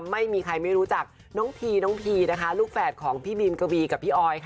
ไม่มีใครไม่รู้จักน้องพีลูกแฟดของพี่บิลกวีกับพี่ออยค่ะ